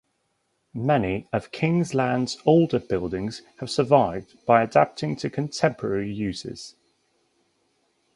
Many of Kingsland's older buildings have survived by adapting to contemporary uses.